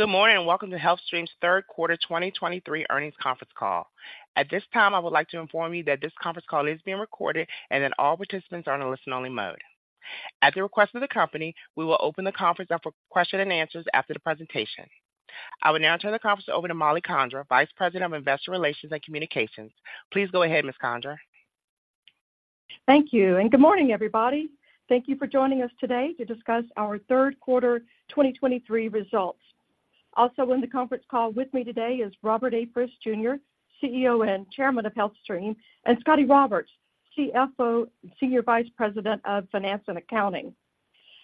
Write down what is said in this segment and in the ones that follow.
Good morning, and welcome to HealthStream's third quarter 2023 earnings conference call. At this time, I would like to inform you that this conference call is being recorded and that all participants are in a listen-only mode. At the request of the company, we will open the conference up for question and answers after the presentation. I will now turn the conference over to Mollie Condra, Vice President of Investor Relations and Communications. Please go ahead, Ms. Condra. Thank you, and good morning, everybody. Thank you for joining us today to discuss our third quarter 2023 results. Also in the conference call with me today is Robert A. Frist, Jr., CEO and Chairman of HealthStream, and Scotty Roberts, CFO, Senior Vice President of Finance and Accounting.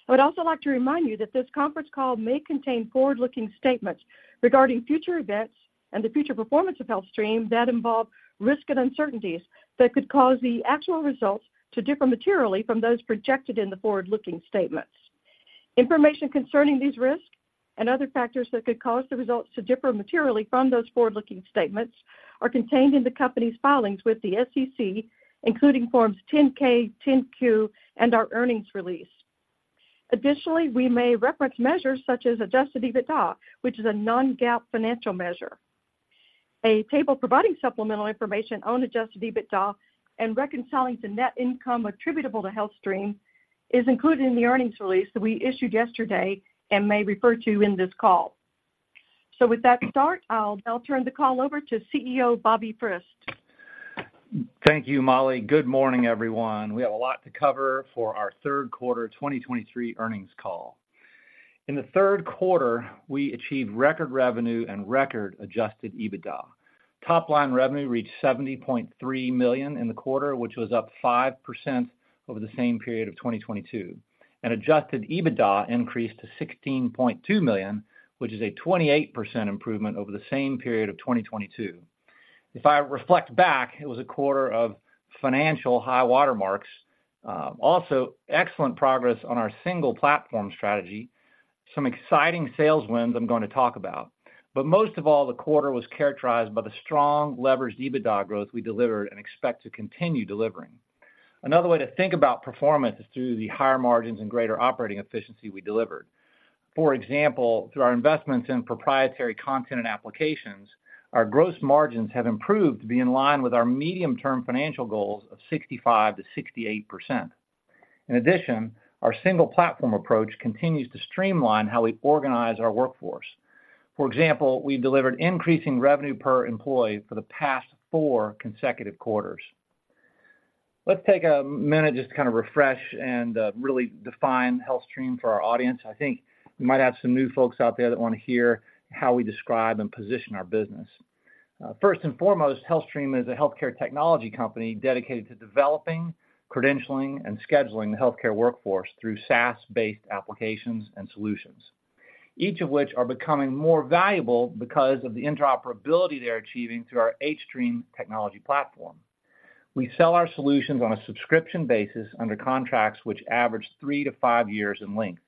I would also like to remind you that this conference call may contain forward-looking statements regarding future events and the future performance of HealthStream that involve risk and uncertainties that could cause the actual results to differ materially from those projected in the forward-looking statements. Information concerning these risks and other factors that could cause the results to differ materially from those forward-looking statements are contained in the company's filings with the SEC, including Forms 10-K, 10-Q, and our earnings release. Additionally, we may reference measures such as Adjusted EBITDA, which is a non-GAAP financial measure. A table providing supplemental information on Adjusted EBITDA and reconciling to net income attributable to HealthStream is included in the earnings release that we issued yesterday and may refer to in this call. So with that start, I'll turn the call over to CEO Bobby Frist. Thank you, Mollie. Good morning, everyone. We have a lot to cover for our third quarter 2023 earnings call. In the third quarter, we achieved record revenue and record Adjusted EBITDA. Top-line revenue reached $70.3 million in the quarter, which was up 5% over the same period of 2022, and Adjusted EBITDA increased to $16.2 million, which is a 28% improvement over the same period of 2022. If I reflect back, it was a quarter of financial high watermarks, also excellent progress on our single platform strategy, some exciting sales wins I'm going to talk about. But most of all, the quarter was characterized by the strong leveraged EBITDA growth we delivered and expect to continue delivering. Another way to think about performance is through the higher margins and greater operating efficiency we delivered. For example, through our investments in proprietary content and applications, our gross margins have improved to be in line with our medium-term financial goals of 65%-68%. In addition, our single platform approach continues to streamline how we organize our workforce. For example, we delivered increasing revenue per employee for the past four consecutive quarters. Let's take a minute just to kind of refresh and really define HealthStream for our audience. I think we might have some new folks out there that want to hear how we describe and position our business. First and foremost, HealthStream is a healthcare technology company dedicated to developing, credentialing, and scheduling the healthcare workforce through SaaS-based applications and solutions, each of which are becoming more valuable because of the interoperability they're achieving through our hStream technology platform. We sell our solutions on a subscription basis under contracts which average three-five years in length.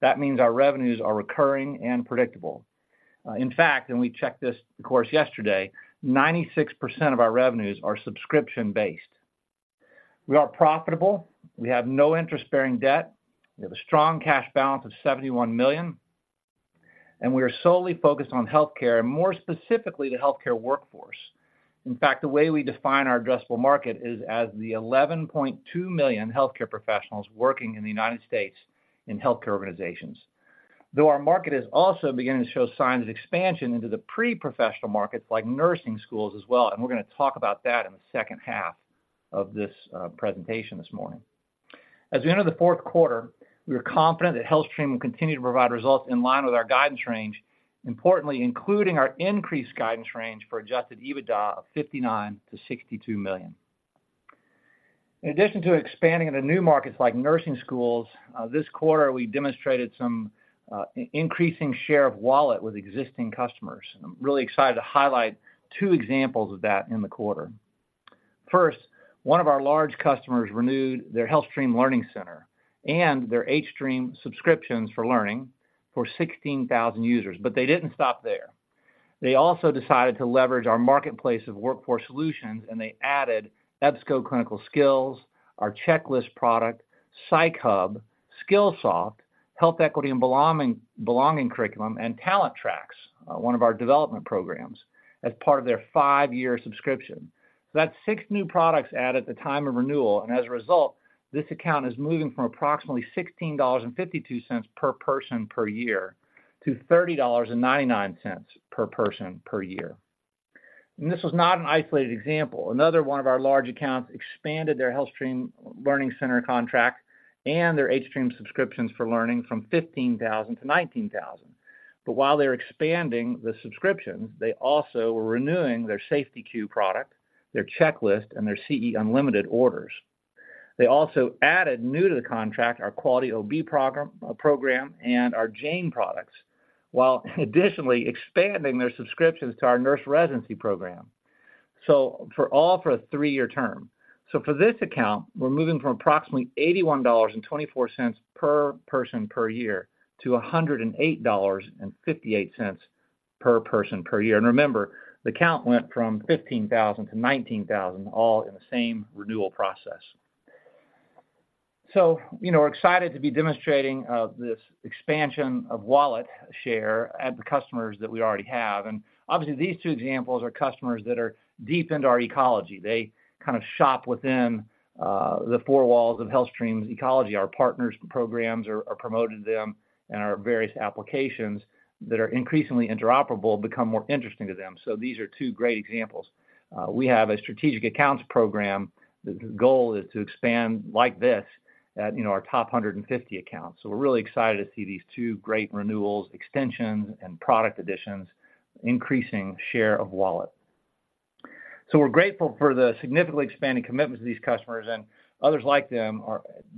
That means our revenues are recurring and predictable. In fact, and we checked this, of course, yesterday, 96% of our revenues are subscription-based. We are profitable. We have no interest-bearing debt. We have a strong cash balance of $71 million, and we are solely focused on healthcare, and more specifically, the healthcare workforce. In fact, the way we define our addressable market is as the 11.2 million healthcare professionals working in the United States in healthcare organizations. Though our market is also beginning to show signs of expansion into the pre-professional markets, like nursing schools as well, and we're going to talk about that in the second half of this, presentation this morning. As we enter the fourth quarter, we are confident that HealthStream will continue to provide results in line with our guidance range, importantly, including our increased guidance range for Adjusted EBITDA of $59 million-$62 million. In addition to expanding into new markets like nursing schools, this quarter, we demonstrated some increasing share of wallet with existing customers. I'm really excited to highlight two examples of that in the quarter. First, one of our large customers renewed their HealthStream Learning Center and their hStream subscriptions for Learning for 16,000 users, but they didn't stop there. They also decided to leverage our marketplace of workforce solutions, and they added EBSCO Clinical Skills, our Checklist product, Psych Hub, Skillsoft, Health Equity and Belonging, Belonging Curriculum, and Talent Tracks, one of our development programs, as part of their five-year subscription. So that's six new products added at the time of renewal, and as a result, this account is moving from approximately $16.52 per person per year to $30.99 per person per year. And this was not an isolated example. Another one of our large accounts expanded their HealthStream Learning Center contract and their hStream subscriptions for Learning from 15,000 to 19,000. But while they're expanding the subscriptions, they also were renewing their SafetyQ product, their Checklist, and their CE Unlimited orders. They also added new to the contract, our Quality OB program, and our Jane products, while additionally expanding their subscriptions to our nurse residency program. So for all for a three-year term. So for this account, we're moving from approximately $81.24 per person per year to $108.58 per person per year. And remember, the count went from 15,000 to 19,000, all in the same renewal process. So, you know, we're excited to be demonstrating this expansion of wallet share at the customers that we already have. And obviously, these two examples are customers that are deep into our ecology. They kind of shop within the four walls of HealthStream's ecology. Our partners programs are promoted to them, and our various applications that are increasingly interoperable become more interesting to them. So these are two great examples. We have a strategic accounts program. The goal is to expand like this at, you know, our top 150 accounts. So we're really excited to see these two great renewals, extensions, and product additions, increasing share of wallet. So we're grateful for the significantly expanding commitment to these customers and others like them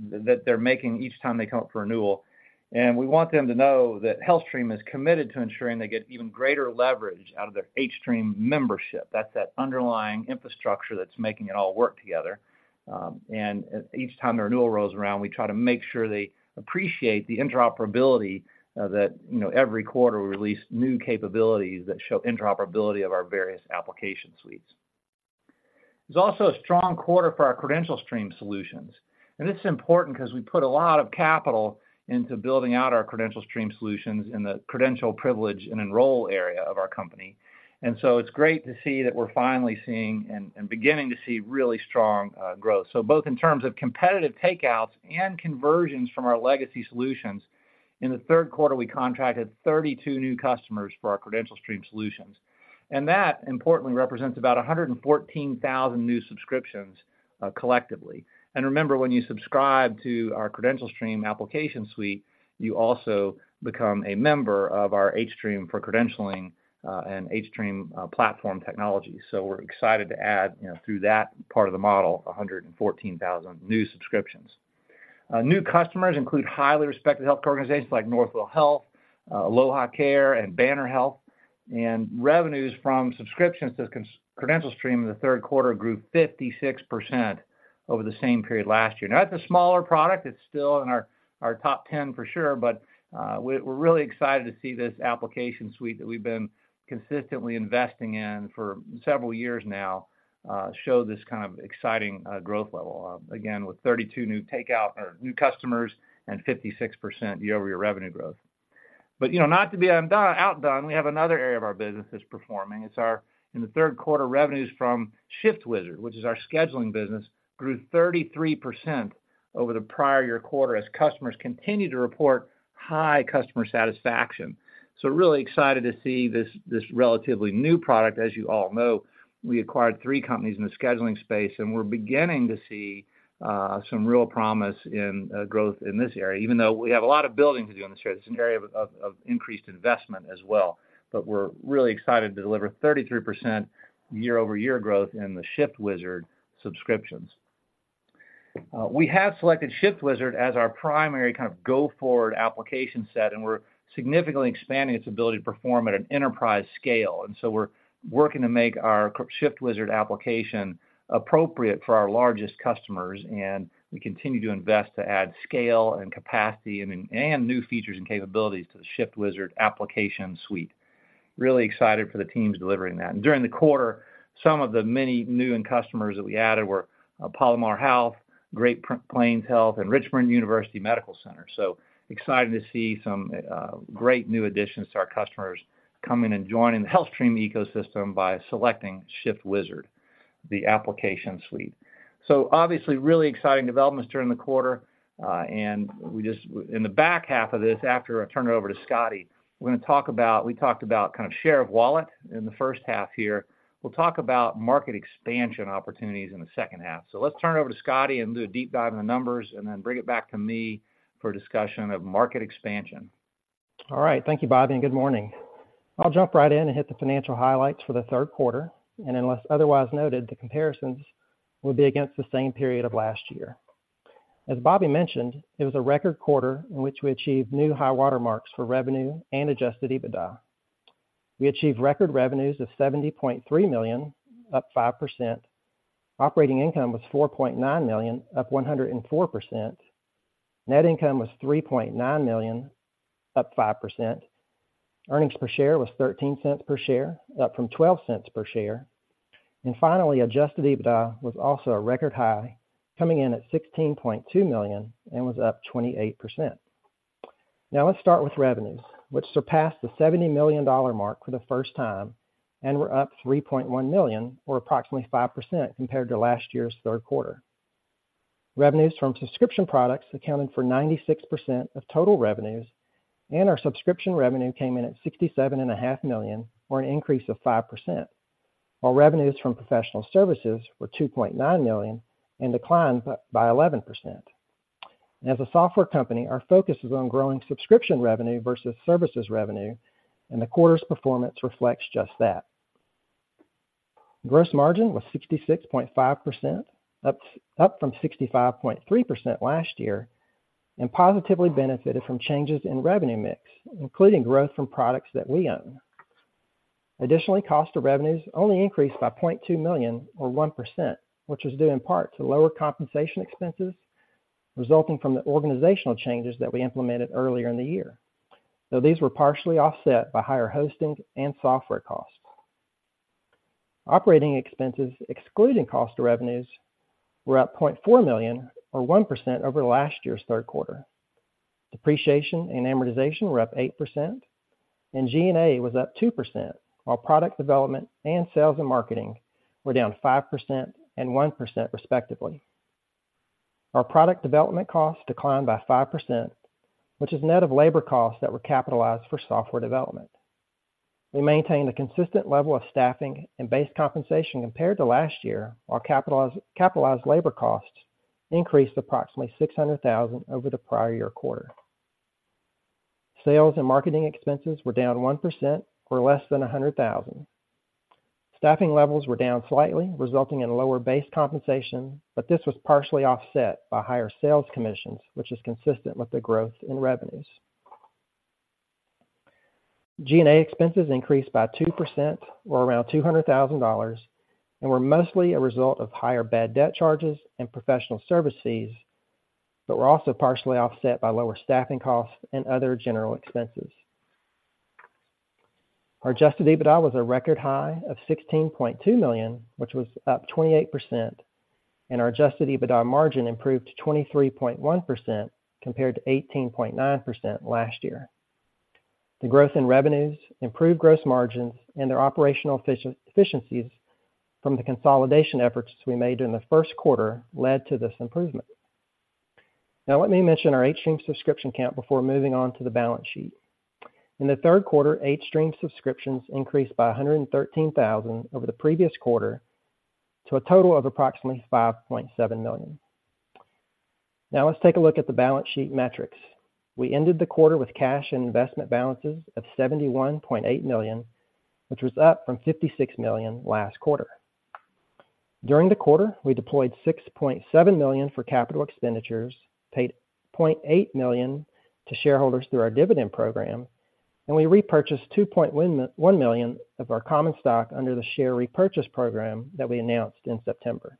that they're making each time they come up for renewal, and we want them to know that HealthStream is committed to ensuring they get even greater leverage out of their hStream membership. That's that underlying infrastructure that's making it all work together. And each time the renewal rolls around, we try to make sure they appreciate the interoperability that you know every quarter we release new capabilities that show interoperability of our various application suites. It's also a strong quarter for our CredentialStream solutions, and this is important 'cause we put a lot of capital into building out our CredentialStream solutions in the credential privilege and enroll area of our company. And so it's great to see that we're finally seeing and beginning to see really strong growth. So both in terms of competitive takeouts and conversions from our legacy solutions. In the third quarter, we contracted 32 new customers for our CredentialStream solutions, and that importantly represents about 114,000 new subscriptions collectively. And remember, when you subscribe to our CredentialStream application suite, you also become a member of our hStream for Credentialing and hStream platform technology. So we're excited to add, you know, through that part of the model, 114,000 new subscriptions. New customers include highly respected health organizations like Northwell Health, AlohaCare and Banner Health. And revenues from subscriptions to CredentialStream in the third quarter grew 56% over the same period last year. Now, that's a smaller product. It's still in our top 10 for sure, but we're really excited to see this application suite that we've been consistently investing in for several years now show this kind of exciting growth level. Again, with 32 new takeout or new customers and 56% year-over-year revenue growth. But, you know, not to be outdone, we have another area of our business that's performing. It's our... In the third quarter, revenues from ShiftWizard, which is our Scheduling business, grew 33% over the prior year quarter as customers continued to report high customer satisfaction. So really excited to see this, this relatively new product. As you all know, we acquired three companies in the scheduling space, and we're beginning to see some real promise in growth in this area, even though we have a lot of building to do in this area. It's an area of, of, of increased investment as well. But we're really excited to deliver 33% year-over-year growth in the ShiftWizard subscriptions. We have selected ShiftWizard as our primary kind of go-forward application set, and we're significantly expanding its ability to perform at an enterprise scale. And so we're working to make our ShiftWizard application appropriate for our largest customers, and we continue to invest to add scale and capacity and, and new features and capabilities to the ShiftWizard application suite. Really excited for the teams delivering that. During the quarter, some of the many new end customers that we added were Palomar Health, Great Plains Health, and Richmond University Medical Center. Excited to see some great new additions to our customers coming and joining the HealthStream ecosystem by selecting ShiftWizard, the application suite. Obviously, really exciting developments during the quarter. And we just. In the back half of this, after I turn it over to Scotty, we're gonna talk about. We talked about kind of share of wallet in the first half here. We'll talk about market expansion opportunities in the second half. Let's turn it over to Scotty and do a deep dive in the numbers, and then bring it back to me for a discussion of market expansion. All right. Thank you, Bobby, and good morning. I'll jump right in and hit the financial highlights for the third quarter, and unless otherwise noted, the comparisons will be against the same period of last year. As Bobby mentioned, it was a record quarter in which we achieved new high water marks for revenue and Adjusted EBITDA. We achieved record revenues of $70.3 million, up 5%. Operating income was $4.9 million, up 104%. Net income was $3.9 million, up 5%. Earnings per share was $0.13 per share, up from $0.12 per share. And finally, Adjusted EBITDA was also a record high, coming in at $16.2 million and was up 28%. Now, let's start with revenues, which surpassed the $70 million mark for the first time and were up $3.1 million or approximately 5% compared to last year's third quarter. Revenues from subscription products accounted for 96% of total revenues, and our subscription revenue came in at $67.5 million, or an increase of 5%, while revenues from professional services were $2.9 million and declined by 11%. As a software company, our focus is on growing subscription revenue versus services revenue, and the quarter's performance reflects just that. Gross margin was 66.5%, up from 65.3% last year, and positively benefited from changes in revenue mix, including growth from products that we own. Additionally, cost of revenues only increased by $0.2 million or 1%, which is due in part to lower compensation expenses resulting from the organizational changes that we implemented earlier in the year, though these were partially offset by higher hosting and software costs. Operating expenses, excluding cost of revenues, were up $0.4 million or 1% over last year's third quarter. Depreciation and amortization were up 8%, and G&A was up 2%, while product development and sales and marketing were down 5% and 1% respectively. Our product development costs declined by 5%, which is net of labor costs that were capitalized for software development. We maintained a consistent level of staffing and base compensation compared to last year, while capitalized labor costs increased approximately $600,000 over the prior year quarter. Sales and marketing expenses were down 1% or less than $100,000. Staffing levels were down slightly, resulting in lower base compensation, but this was partially offset by higher sales commissions, which is consistent with the growth in revenues. G&A expenses increased by 2% or around $200,000, and were mostly a result of higher bad debt charges and professional services, but were also partially offset by lower staffing costs and other general expenses. Our Adjusted EBITDA was a record high of $16.2 million, which was up 28%, and our Adjusted EBITDA margin improved to 23.1%, compared to 18.9% last year. The growth in revenues, improved gross margins, and their operational efficiencies from the consolidation efforts we made in the first quarter led to this improvement. Now, let me mention our hStream subscription count before moving on to the balance sheet. In the third quarter, hStream subscriptions increased by 113,000 over the previous quarter, to a total of approximately 5.7 million. Now let's take a look at the balance sheet metrics. We ended the quarter with cash and investment balances of $71.8 million, which was up from $56 million last quarter. During the quarter, we deployed $6.7 million for capital expenditures, paid $0.8 million to shareholders through our dividend program, and we repurchased $2.1 million of our common stock under the share repurchase program that we announced in September.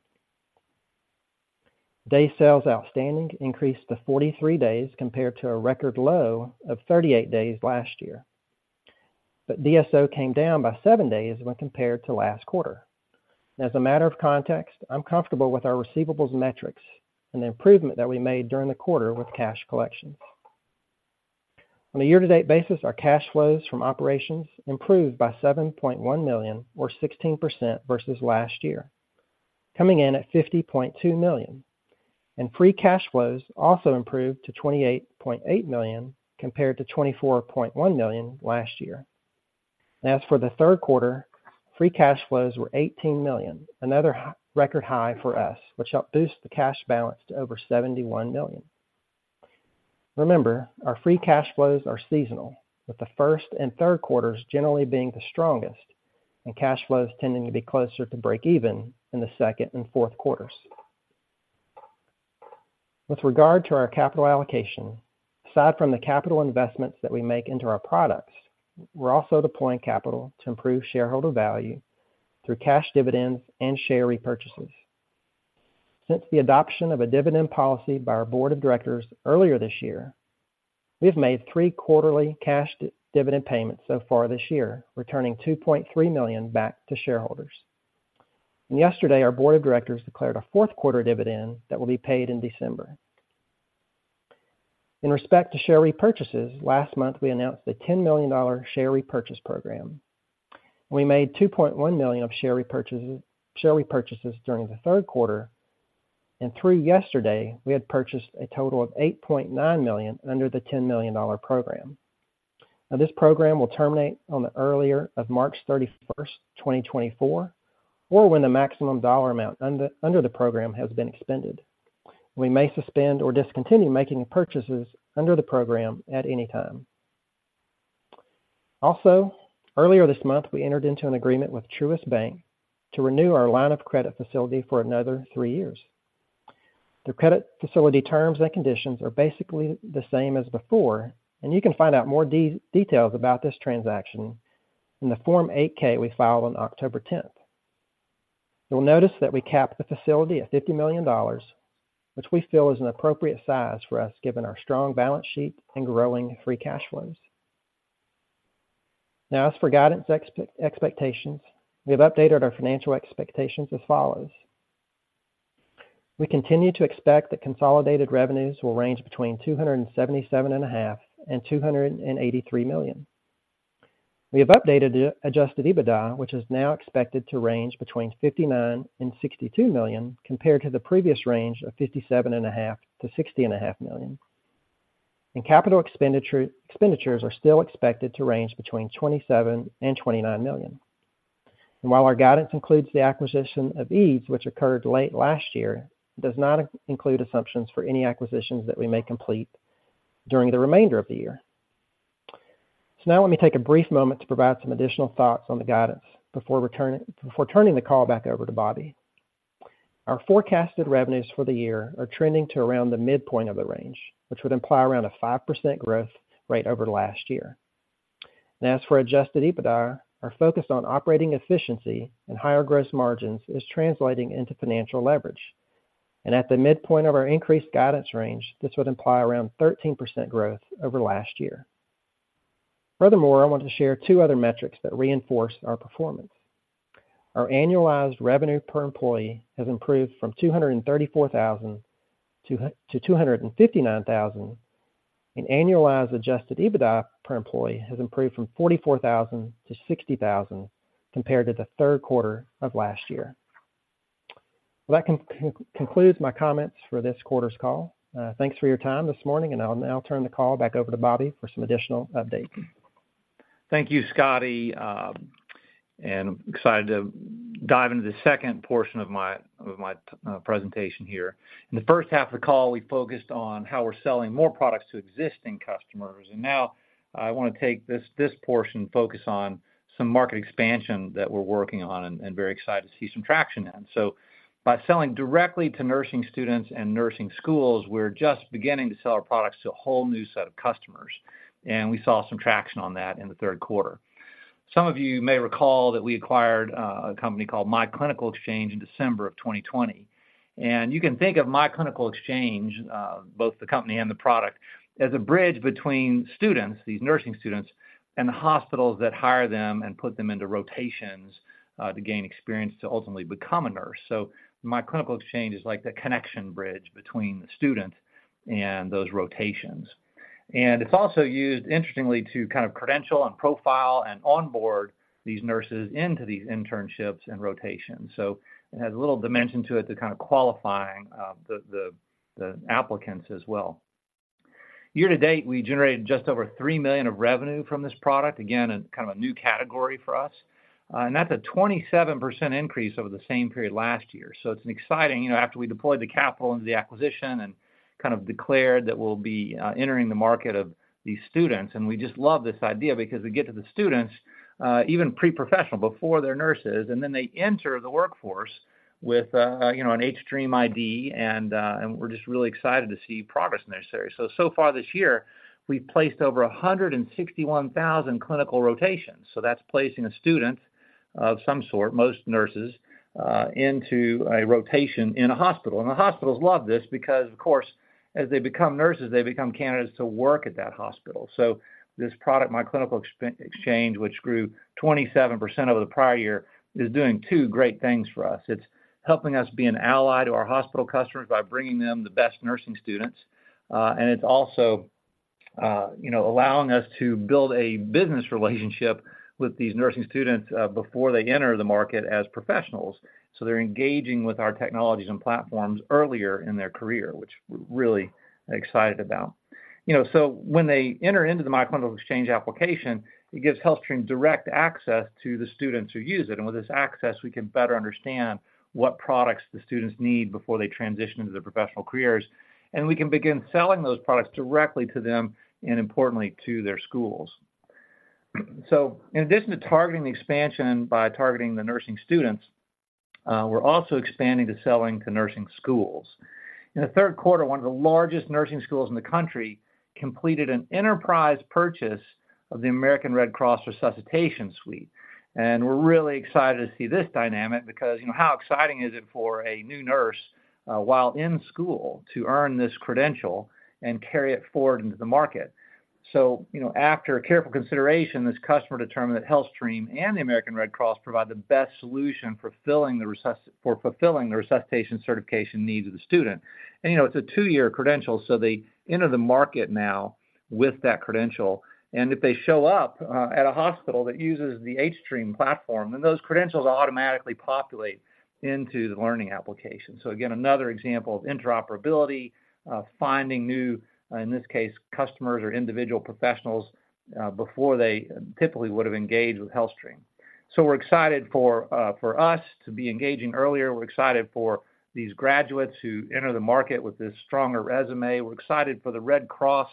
Day Sales Outstanding increased to 43 days compared to a record low of 38 days last year, but DSO came down by seven days when compared to last quarter. As a matter of context, I'm comfortable with our receivables metrics and the improvement that we made during the quarter with cash collections. On a year-to-date basis, our cash flows from operations improved by $7.1 million or 16% versus last year, coming in at $50.2 million. Free cash flows also improved to $28.8 million, compared to $24.1 million last year. As for the third quarter, free cash flows were $18 million, another record high for us, which helped boost the cash balance to over $71 million. Remember, our free cash flows are seasonal, with the first and third quarters generally being the strongest, and cash flows tending to be closer to break-even in the second and fourth quarters. With regard to our capital allocation, aside from the capital investments that we make into our products, we're also deploying capital to improve shareholder value through cash dividends and share repurchases. Since the adoption of a dividend policy by our Board of Directors earlier this year, we have made three quarterly cash dividend payments so far this year, returning $2.3 million back to shareholders. Yesterday, our Board of Directors declared a fourth quarter dividend that will be paid in December. In respect to share repurchases, last month we announced a $10 million share repurchase program. We made $2.1 million of share repurchases during the third quarter, and through yesterday, we had purchased a total of $8.9 million under the $10 million program. Now, this program will terminate on the earlier of March 31st, 2024, or when the maximum dollar amount under the program has been expended. We may suspend or discontinue making purchases under the program at any time. Also, earlier this month, we entered into an agreement with Truist Bank to renew our line of credit facility for another three years. The credit facility terms and conditions are basically the same as before, and you can find out more details about this transaction in the Form 8-K we filed on October 10th. You'll notice that we capped the facility at $50 million, which we feel is an appropriate size for us, given our strong balance sheet and growing free cash flows. Now, as for guidance expectations, we have updated our financial expectations as follows: We continue to expect that consolidated revenues will range between $277.5 million and $283 million. We have updated the Adjusted EBITDA, which is now expected to range between $59 million and $62 million, compared to the previous range of $57.5 million-$60.5 million. And capital expenditures are still expected to range between $27 million and $29 million. And while our guidance includes the acquisition of eeds, which occurred late last year, it does not include assumptions for any acquisitions that we may complete during the remainder of the year. So now let me take a brief moment to provide some additional thoughts on the guidance before returning before turning the call back over to Bobby. Our forecasted revenues for the year are trending to around the midpoint of the range, which would imply around a 5% growth rate over last year. And as for Adjusted EBITDA, our focus on operating efficiency and higher gross margins is translating into financial leverage. And at the midpoint of our increased guidance range, this would imply around 13% growth over last year. Furthermore, I want to share two other metrics that reinforce our performance. Our annualized revenue per employee has improved from $234,000 to $259,000, and annualized Adjusted EBITDA per employee has improved from $44,000 to $60,000 compared to the third quarter of last year. Well, that concludes my comments for this quarter's call. Thanks for your time this morning, and I'll now turn the call back over to Bobby for some additional updates. Thank you, Scotty. I'm excited to dive into the second portion of my presentation here. In the first half of the call, we focused on how we're selling more products to existing customers, and now I wanna take this portion and focus on some market expansion that we're working on, and very excited to see some traction in. So by selling directly to nursing students and nursing schools, we're just beginning to sell our products to a whole new set of customers, and we saw some traction on that in the third quarter. Some of you may recall that we acquired a company called myClinicalExchange in December of 2020. You can think of myClinicalExchange, both the company and the product, as a bridge between students, these nursing students, and the hospitals that hire them and put them into rotations, to gain experience to ultimately become a nurse. So myClinicalExchange is like the connection bridge between the student and those rotations. And it's also used, interestingly, to kind of credential and profile and onboard these nurses into these internships and rotations. So it has a little dimension to it to kind of qualifying, the applicants as well. Year-to-date, we generated just over $3 million of revenue from this product. Again, a kind of a new category for us, and that's a 27% increase over the same period last year. So it's an exciting, you know, after we deployed the capital into the acquisition and kind of declared that we'll be entering the market of these students. And we just love this idea because we get to the students even pre-professional, before they're nurses, and then they enter the workforce with, you know, an hStream ID, and, and we're just really excited to see progress in this area. So, so far this year, we've placed over 161,000 clinical rotations. So that's placing a student, of some sort, most nurses, into a rotation in a hospital. And the hospitals love this because, of course, as they become nurses, they become candidates to work at that hospital. So this product, myClinicalExchange, which grew 27% over the prior year, is doing two great things for us. It's helping us be an ally to our hospital customers by bringing them the best nursing students, and it's also, you know, allowing us to build a business relationship with these nursing students, before they enter the market as professionals. So they're engaging with our technologies and platforms earlier in their career, which we're really excited about. You know, so when they enter into the myClinicalExchange application, it gives HealthStream direct access to the students who use it. And with this access, we can better understand what products the students need before they transition into their professional careers, and we can begin selling those products directly to them, and importantly, to their schools. So in addition to targeting the expansion by targeting the nursing students, we're also expanding to selling to nursing schools. In the third quarter, one of the largest nursing schools in the country completed an enterprise purchase of the American Red Cross Resuscitation Suite. We're really excited to see this dynamic because, you know, how exciting is it for a new nurse while in school to earn this credential and carry it forward into the market? So, you know, after a careful consideration, this customer determined that HealthStream and the American Red Cross provide the best solution for fulfilling the resuscitation certification needs of the student. You know, it's a two-year credential, so they enter the market now with that credential, and if they show up at a hospital that uses the hStream platform, then those credentials automatically populate into the Learning application. So again, another example of interoperability, finding new, in this case, customers or individual professionals, before they typically would have engaged with HealthStream. So we're excited for, for us to be engaging earlier. We're excited for these graduates who enter the market with this stronger resume. We're excited for the Red Cross,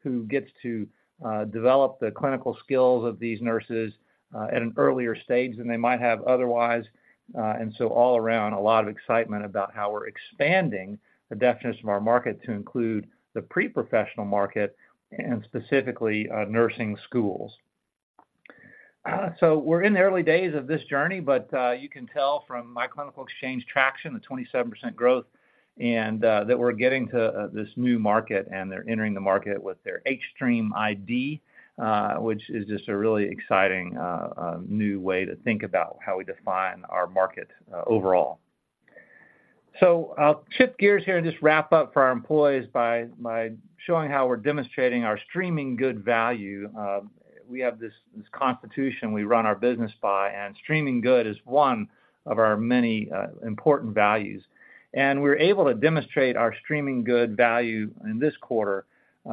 who gets to, develop the clinical skills of these nurses, at an earlier stage than they might have otherwise. And so all around, a lot of excitement about how we're expanding the definitions of our market to include the pre-professional market and specifically, nursing schools. So we're in the early days of this journey, but you can tell from myClinicalExchange traction, the 27% growth and that we're getting to this new market, and they're entering the market with their hStream ID, which is just a really exciting new way to think about how we define our market overall. So I'll shift gears here and just wrap up for our employees by showing how we're demonstrating our Streaming Good value. We have this constitution we run our business by, and Streaming Good is one of our many important values. And we're able to demonstrate our Streaming Good value in this quarter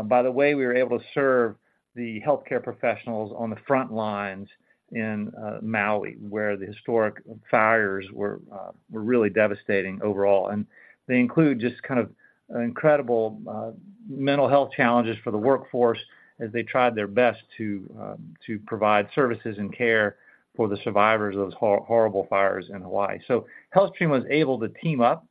by the way we were able to serve the healthcare professionals on the front lines in Maui, where the historic fires were really devastating overall. They include just kind of incredible mental health challenges for the workforce as they tried their best to provide services and care for the survivors of those horrible fires in Hawaii. So HealthStream was able to team up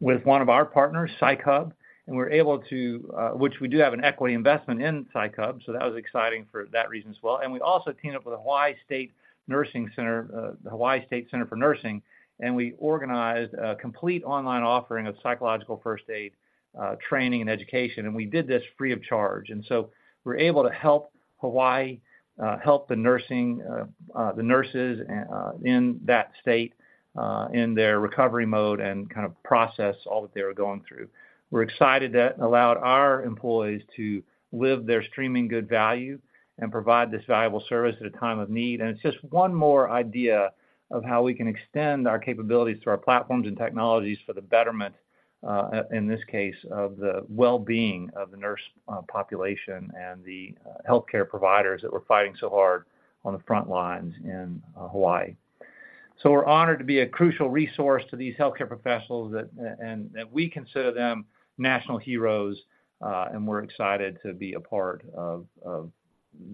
with one of our partners, Psych Hub, and we were able to, which we do have an equity investment in Psych Hub, so that was exciting for that reason as well. And we also teamed up with the Hawaii State Nursing Center, the Hawaii State Center for Nursing, and we organized a complete online offering of Psychological First Aid training and education, and we did this free of charge. And so we're able to help Hawaii help the nurses in that state in their recovery mode and kind of process all that they were going through. We're excited that allowed our employees to live their HealthStream good values and provide this valuable service at a time of need. And it's just one more idea of how we can extend our capabilities through our platforms and technologies for the betterment, in this case, of the well-being of the nurse population and the healthcare providers that we're fighting so hard on the front lines in Hawaii. So we're honored to be a crucial resource to these healthcare professionals, and that we consider them national heroes, and we're excited to be a part of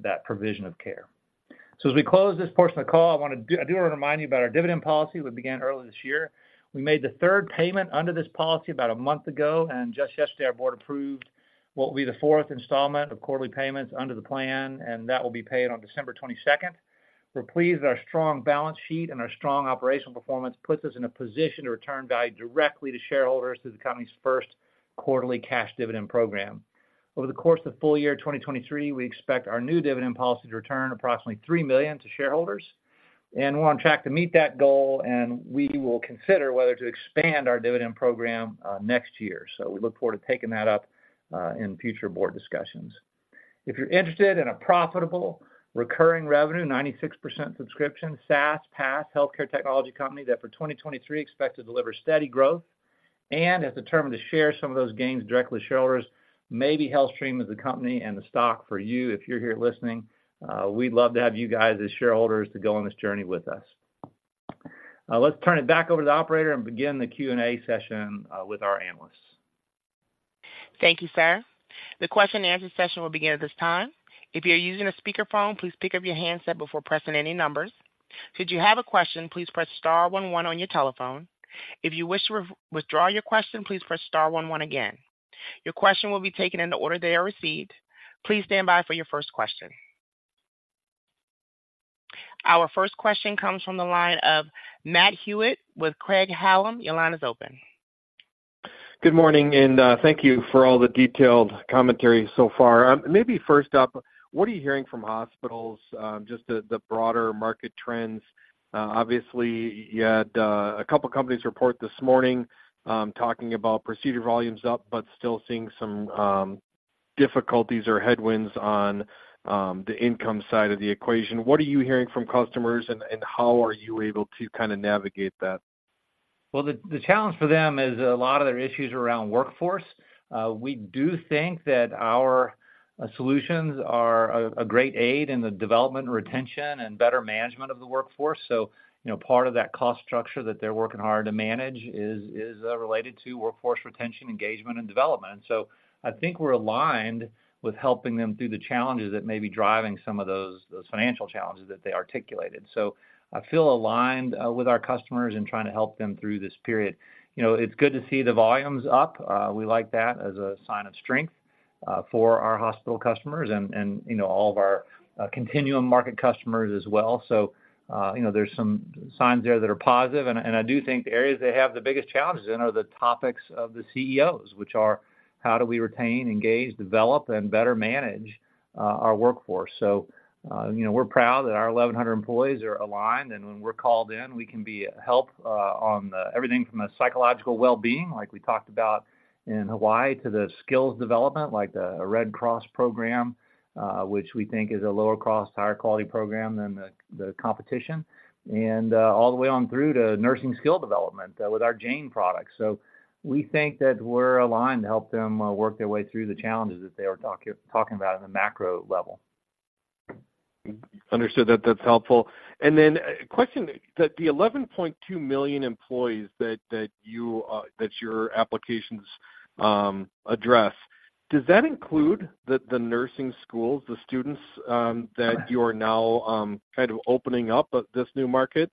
that provision of care. So as we close this portion of the call, I wanna. I do wanna remind you about our dividend policy that began earlier this year. We made the third payment under this policy about a month ago, and just yesterday, our board approved what will be the fourth installment of quarterly payments under the plan, and that will be paid on December 22nd. We're pleased that our strong balance sheet and our strong operational performance puts us in a position to return value directly to shareholders through the company's first quarterly cash dividend program. Over the course of full year 2023, we expect our new dividend policy to return approximately $3 million to shareholders, and we're on track to meet that goal, and we will consider whether to expand our dividend program next year. So we look forward to taking that up in future board discussions. If you're interested in a profitable, recurring revenue, 96% subscription, SaaS, PaaS, healthcare technology company, that for 2023, expect to deliver steady growth and is determined to share some of those gains directly with shareholders, maybe HealthStream is the company and the stock for you. If you're here listening, we'd love to have you guys as shareholders to go on this journey with us. Let's turn it back over to the operator and begin the Q&A session with our analysts. Thank you, sir. The question-and-answer session will begin at this time. If you're using a speakerphone, please pick up your handset before pressing any numbers. Should you have a question, please press star one one on your telephone. If you wish to re-withdraw your question, please press star one one again. Your question will be taken in the order they are received. Please stand by for your first question. Our first question comes from the line of Matt Hewitt with Craig-Hallum. Your line is open. Good morning, and thank you for all the detailed commentary so far. Maybe first up, what are you hearing from hospitals, just the broader market trends? Obviously, you had a couple companies report this morning, talking about procedure volumes up, but still seeing some difficulties or headwinds on the income side of the equation. What are you hearing from customers, and how are you able to kind of navigate that? Well, the challenge for them is a lot of their issues around workforce. We do think that our solutions are a great aid in the development, retention, and better management of the workforce. So, you know, part of that cost structure that they're working hard to manage is related to workforce retention, engagement, and development. So I think we're aligned with helping them through the challenges that may be driving some of those financial challenges that they articulated. So I feel aligned with our customers in trying to help them through this period. You know, it's good to see the volumes up. We like that as a sign of strength for our hospital customers and, you know, all of our continuum market customers as well. So, you know, there's some signs there that are positive, and I do think the areas they have the biggest challenges in are the topics of the CEOs, which are: How do we retain, engage, develop, and better manage our workforce? So, you know, we're proud that our 1,100 employees are aligned, and when we're called in, we can be a help on everything from psychological well-being, like we talked about in Hawaii, to skills development, like the Red Cross program, which we think is a lower cost, higher quality program than the competition, and all the way on through to nursing skill development with our Jane product. So we think that we're aligned to help them work their way through the challenges that they are talking about on a macro level. Understood. That, that's helpful. And then a question, that the 11.2 million employees that your applications address, does that include the nursing schools, the students that you are now kind of opening up at this new market?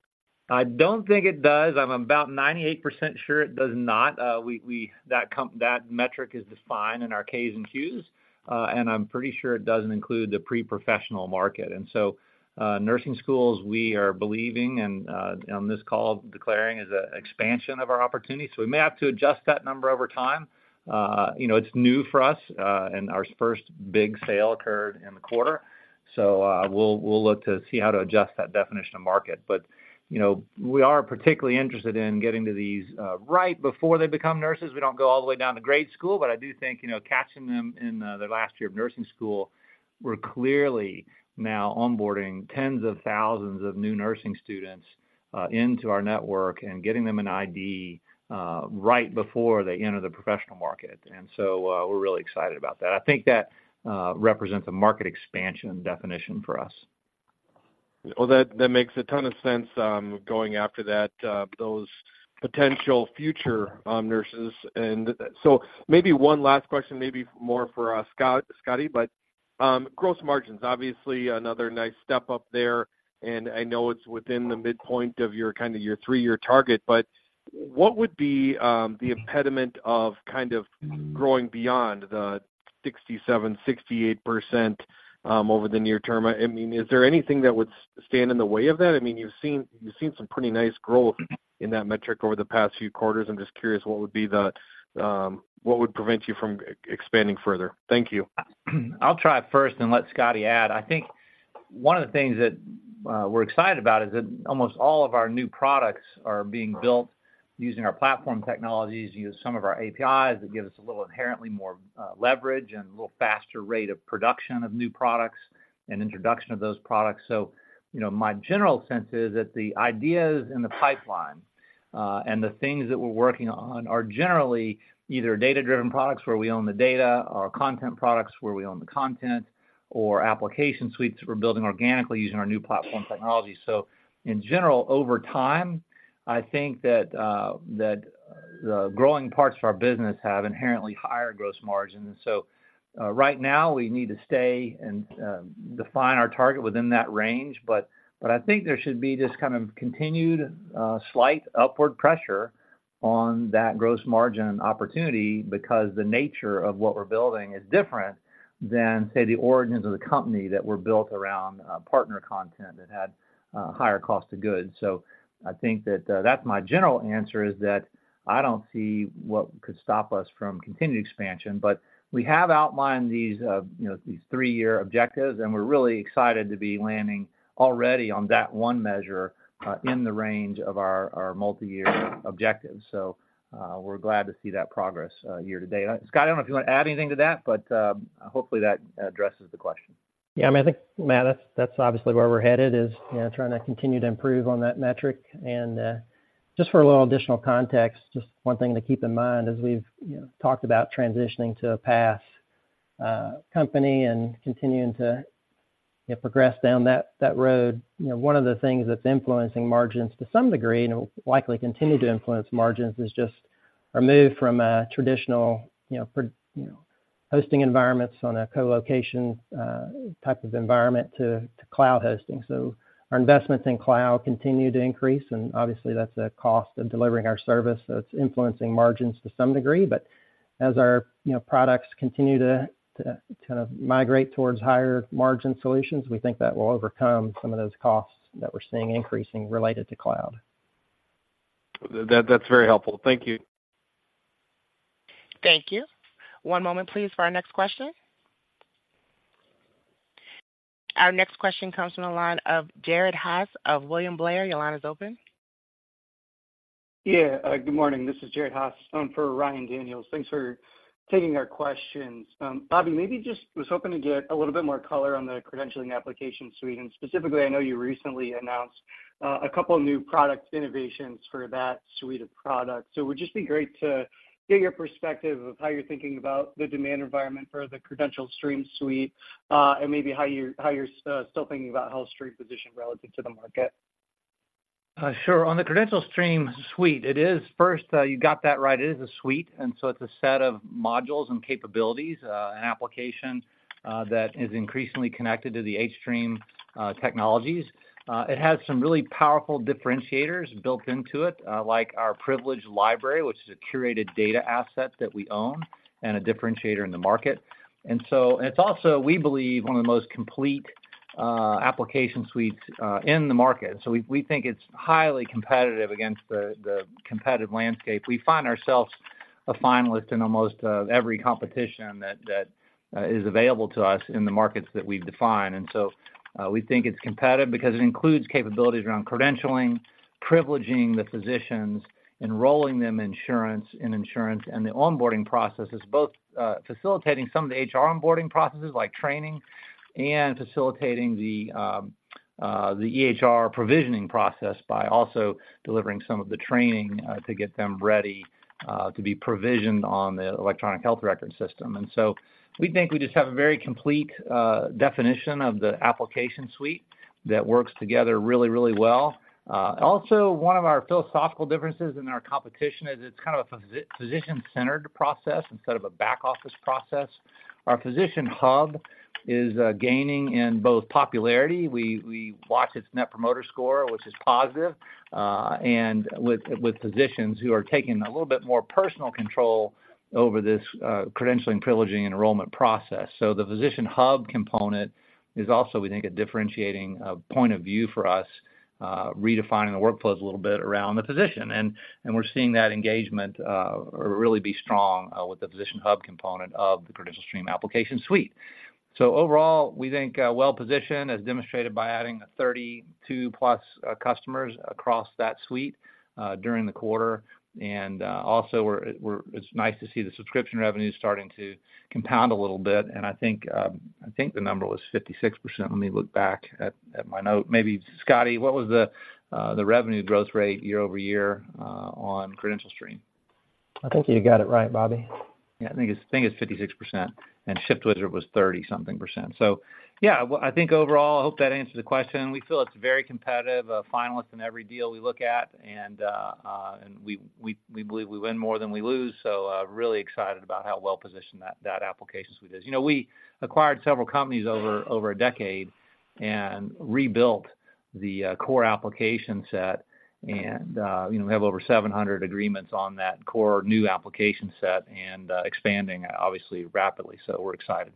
I don't think it does. I'm about 98% sure it does not. We, that metric is defined in our K's and Q's, and I'm pretty sure it doesn't include the pre-professional market. And so, nursing schools, we are believing and, on this call, declaring is a expansion of our opportunity. So we may have to adjust that number over time. You know, it's new for us, and our first big sale occurred in the quarter, so, we'll look to see how to adjust that definition of market. But, you know, we are particularly interested in getting to these, right before they become nurses. We don't go all the way down to grade school, but I do think, you know, catching them in, their last year of nursing school, we're clearly now onboarding tens of thousands of new nursing students, into our network and getting them an ID, right before they enter the professional market. And so, we're really excited about that. I think that represents a market expansion definition for us. Well, that makes a ton of sense going after that, those potential future nurses. And so maybe one last question, maybe more for Scott-Scotty, but gross margins, obviously another nice step up there, and I know it's within the midpoint of your kind of your three-year target, but what would be the impediment of kind of growing beyond the 67%-68% over the near term. I mean, is there anything that would stand in the way of that? I mean, you've seen some pretty nice growth in that metric over the past few quarters. I'm just curious, what would be the what would prevent you from expanding further? Thank you. I'll try it first and let Scotty add. I think one of the things that, we're excited about is that almost all of our new products are being built using our platform technologies, use some of our APIs. That give us a little inherently more, leverage and a little faster rate of production of new products and introduction of those products. So, you know, my general sense is that the ideas in the pipeline, and the things that we're working on, are generally either data-driven products, where we own the data, or content products, where we own the content, or application suites that we're building organically using our new platform technology. So in general, over time, I think that, that the growing parts of our business have inherently higher gross margins. So, right now, we need to stay and define our target within that range. But, I think there should be just kind of continued, slight upward pressure on that gross margin opportunity, because the nature of what we're building is different than, say, the origins of the company that were built around, partner content that had, higher cost of goods. So I think that, that's my general answer, is that I don't see what could stop us from continued expansion. But we have outlined these, you know, these three-year objectives, and we're really excited to be landing already on that one measure, in the range of our multiyear objectives. So, we're glad to see that progress, year-to-date. Scott, I don't know if you want to add anything to that, but hopefully, that addresses the question. Yeah, I mean, I think, Matt, that's obviously where we're headed, is, you know, trying to continue to improve on that metric. And just for a little additional context, just one thing to keep in mind as we've, you know, talked about transitioning to a PaaS company and continuing to, you know, progress down that road. You know, one of the things that's influencing margins to some degree, and will likely continue to influence margins, is just our move from a traditional, you know, hosting environments on a co-location type of environment to cloud hosting. So our investments in cloud continue to increase, and obviously, that's a cost of delivering our service. So it's influencing margins to some degree. As our, you know, products continue to migrate towards higher-margin solutions, we think that will overcome some of those costs that we're seeing increasing related to cloud. That's very helpful. Thank you. Thank you. One moment please, for our next question. Our next question comes from the line of Jared Haase of William Blair. Your line is open. Yeah, good morning. This is Jared Haase, phone for Ryan Daniels. Thanks for taking our questions. Bobby, maybe just was hoping to get a little bit more color on the Credentialing application suite, and specifically, I know you recently announced a couple of new product innovations for that suite of products. So it would just be great to get your perspective of how you're thinking about the demand environment for the CredentialStream suite, and maybe how you're still thinking about how HealthStream positioned relative to the market. Sure. On the CredentialStream suite, it is first, you got that right. It is a suite, and so it's a set of modules and capabilities, an application, that is increasingly connected to the hStream technologies. It has some really powerful differentiators built into it, like our privilege library, which is a curated data asset that we own and a differentiator in the market. And so - and it's also, we believe, one of the most complete application suites in the market. So we, we think it's highly competitive against the competitive landscape. We find ourselves a finalist in almost every competition that is available to us in the markets that we've defined. And so, we think it's competitive because it includes capabilities around credentialing, privileging the physicians, enrolling them insurance, in insurance, and the onboarding processes, both, facilitating some of the HR onboarding processes, like training, and facilitating the EHR provisioning process by also delivering some of the training to get them ready to be provisioned on the electronic health record system. And so we think we just have a very complete definition of the application suite that works together really, really well. Also, one of our philosophical differences in our competition is it's kind of a physician-centered process instead of a back-office process. Our Physician Hub is gaining in both popularity. We watch its Net Promoter Score, which is positive, and with physicians who are taking a little bit more personal control over this credentialing, privileging, and enrollment process. So the Physician Hub component is also, we think, a differentiating point of view for us, redefining the workflows a little bit around the physician. And we're seeing that engagement really be strong with the Physician Hub component of the CredentialStream application suite. So overall, we think well-positioned, as demonstrated by adding the 32+ customers across that suite during the quarter. And also, it's nice to see the subscription revenue starting to compound a little bit, and I think, I think the number was 56%. Let me look back at my note. Maybe, Scotty, what was the revenue growth rate year-over-year on CredentialStream? I think you got it right, Bobby. Yeah, I think it's, think it's 56%, and ShiftWizard was 30-something%. So yeah, well, I think overall, I hope that answers the question. We feel it's very competitive, a finalist in every deal we look at, and we believe we win more than we lose, so really excited about how well-positioned that application suite is. You know, we acquired several companies over a decade and rebuilt the core application set. You know, we have over 700 agreements on that core new application set and expanding obviously rapidly, so we're excited.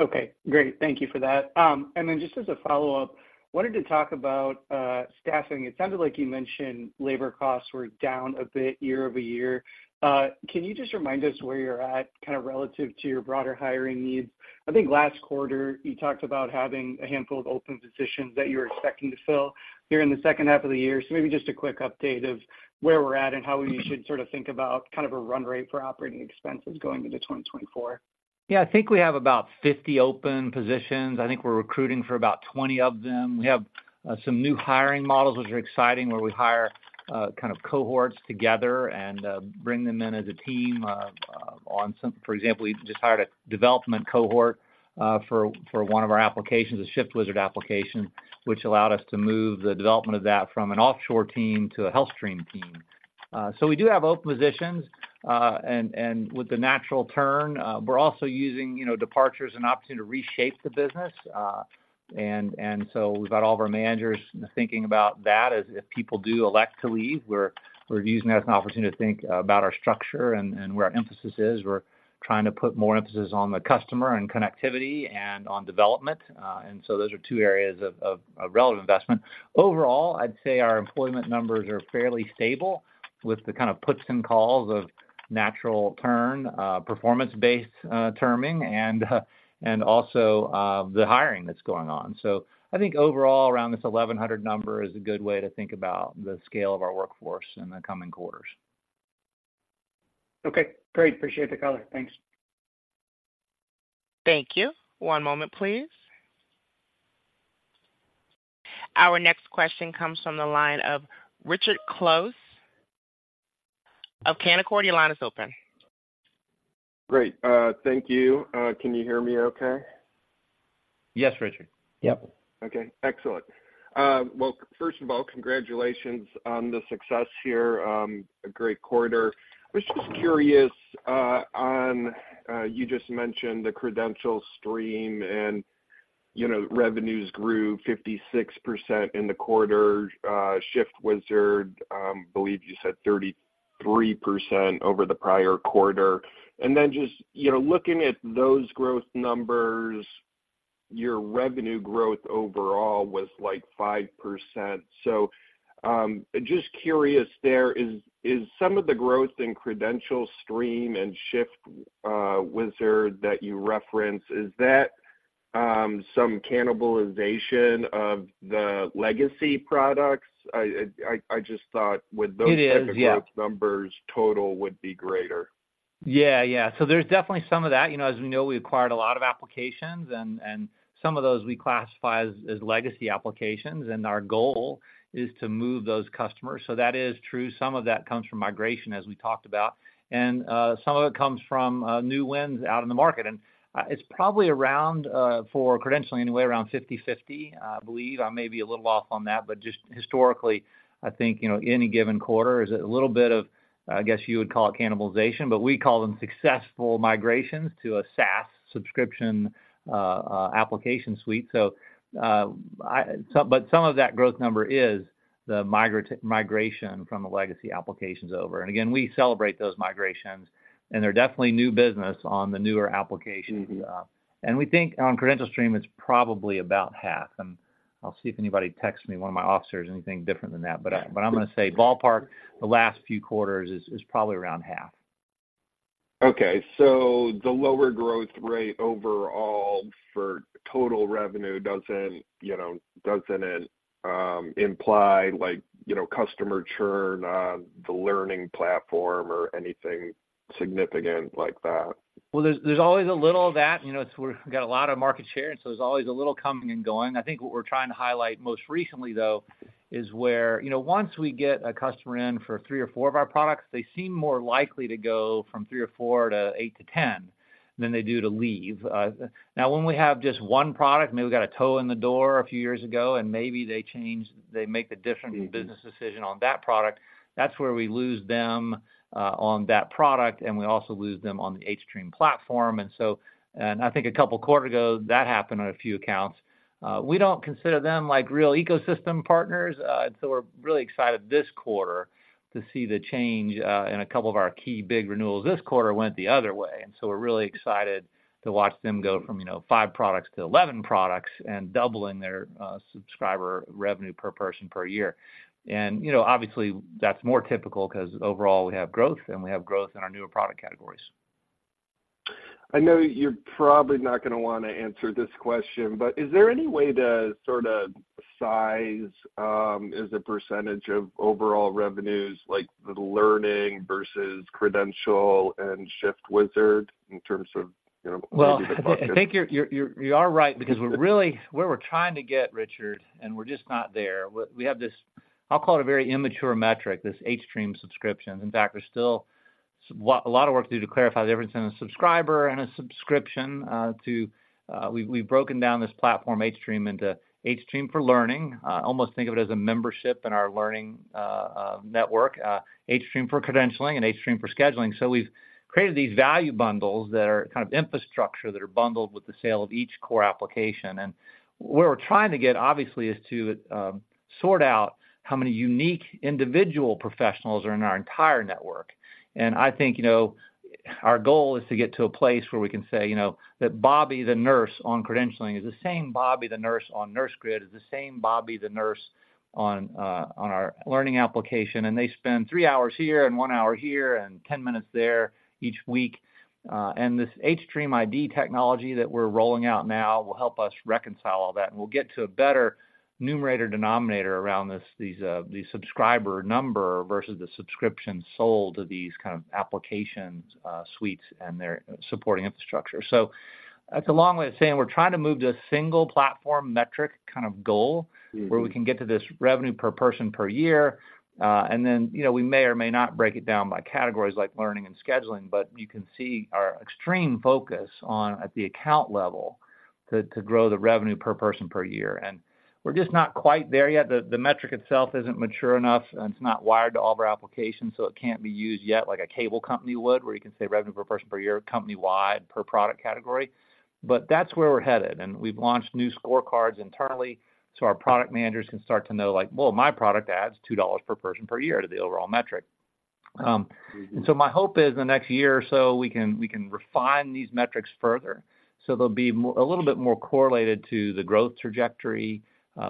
Okay, great. Thank you for that. And then just as a follow-up, wanted to talk about staffing. It sounded like you mentioned labor costs were down a bit year-over-year. Can you just remind us where you're at, kind of relative to your broader hiring needs? I think last quarter, you talked about having a handful of open positions that you were expecting to fill during the second half of the year. So maybe just a quick update of where we're at and how we should sort of think about kind of a run rate for operating expenses going into 2024. Yeah, I think we have about 50 open positions. I think we're recruiting for about 20 of them. We have some new hiring models, which are exciting, where we hire kind of cohorts together and bring them in as a team. For example, we just hired a development cohort for one of our applications, a ShiftWizard application, which allowed us to move the development of that from an offshore team to a HealthStream team. So we do have open positions and with the natural turn we're also using, you know, departures as an opportunity to reshape the business. And so we've got all of our managers thinking about that. As if people do elect to leave, we're using that as an opportunity to think about our structure and where our emphasis is. We're trying to put more emphasis on the customer and connectivity and on development. And so those are two areas of relevant investment. Overall, I'd say our employment numbers are fairly stable with the kind of puts and calls of natural turn, performance-based, terming and also, the hiring that's going on. So I think overall, around this 1,100 number is a good way to think about the scale of our workforce in the coming quarters. Okay, great. Appreciate the color. Thanks. Thank you. One moment, please. Our next question comes from the line of Richard Close of Canaccord. Your line is open. Great, thank you. Can you hear me okay? Yes, Richard. Yep. Okay, excellent. Well, first of all, congratulations on the success here, a great quarter. I was just curious, on, you just mentioned the CredentialStream and, you know, revenues grew 56% in the quarter, ShiftWizard, believe you said 33% over the prior quarter. And then just, you know, looking at those growth numbers, your revenue growth overall was, like, 5%. So, just curious, there, is some of the growth in CredentialStream and ShiftWizard that you referenced, is that, some cannibalization of the legacy products? I just thought with those- It is, yeah... type of growth numbers, total would be greater. Yeah, yeah. So there's definitely some of that. You know, as we know, we acquired a lot of applications, and some of those we classify as legacy applications, and our goal is to move those customers. So that is true. Some of that comes from migration, as we talked about, and some of it comes from new wins out in the market. And it's probably around, for Credentialing, anyway, around 50/50, I believe. I may be a little off on that, but just historically, I think, you know, any given quarter is a little bit of, I guess you would call it cannibalization, but we call them successful migrations to a SaaS subscription application suite. So, but some of that growth number is the migration from the legacy applications over. And again, we celebrate those migrations, and they're definitely new business on the newer applications. Mm-hmm. We think on CredentialStream, it's probably about half, and I'll see if anybody texts me, one of my officers, anything different than that. Yeah. I'm gonna say ballpark, the last few quarters is probably around half. Okay, so the lower growth rate overall for total revenue doesn't, you know, doesn't, imply like, you know, customer churn on the Learning platform or anything significant like that? Well, there's always a little of that. You know, we've got a lot of market share, and so there's always a little coming and going. I think what we're trying to highlight most recently, though, is where, you know, once we get a customer in for three or four of our products, they seem more likely to go from three or four to eight-10 than they do to leave. Now, when we have just one product, maybe we got a toe in the door a few years ago, and maybe they changed, they make a different- Mm-hmm... business decision on that product. That's where we lose them on that product, and we also lose them on the hStream platform. And so, and I think a couple quarters ago, that happened on a few accounts. We don't consider them, like, real ecosystem partners, and so we're really excited this quarter to see the change in a couple of our key big renewals. This quarter went the other way, and so we're really excited to watch them go from, you know, five products to 11 products and doubling their subscriber revenue per person per year. And, you know, obviously, that's more typical because overall we have growth, and we have growth in our newer product categories. I know you're probably not gonna wanna answer this question, but is there any way to sort of size, as a percentage of overall revenues, like the Learning versus Credential and ShiftWizard, in terms of, you know, where you make money? Well, I think you are right because we're really where we're trying to get, Richard, and we're just not there. We have this, I'll call it a very immature metric, this hStream subscriptions. In fact, we're still so a lot of work to do to clarify the difference in a subscriber and a subscription, to we've broken down this platform, hStream, into hStream for Learning. Almost think of it as a membership in our Learning network, hStream for Credentialing and hStream for Scheduling. So we've created these value bundles that are kind of infrastructure, that are bundled with the sale of each core application. And where we're trying to get, obviously, is to sort out how many unique individual professionals are in our entire network. And I think, you know, our goal is to get to a place where we can say, you know, that Bobby, the nurse on Credentialing, is the same Bobby, the nurse on NurseGrid, is the same Bobby the nurse on, on our Learning application, and they spend three hours here and one hour here, and 10 minutes there each week. And this hStream ID technology that we're rolling out now will help us reconcile all that, and we'll get to a better numerator, denominator around this, these, the subscriber number versus the subscription sold to these kind of application, suites and their supporting infrastructure. So that's a long way of saying we're trying to move to a single platform metric kind of goal- Mm-hmm. - where we can get to this revenue per person per year. And then, you know, we may or may not break it down by categories like Learning and Scheduling, but you can see our extreme focus on, at the account level, to grow the revenue per person per year. And we're just not quite there yet. The metric itself isn't mature enough, and it's not wired to all of our applications, so it can't be used yet like a cable company would, where you can say revenue per person per year, company-wide, per product category. But that's where we're headed, and we've launched new scorecards internally, so our product managers can start to know, like, "Well, my product adds $2 per person per year to the overall metric. Mm-hmm. And so my hope is, in the next year or so, we can, we can refine these metrics further, so they'll be a little bit more correlated to the growth trajectory.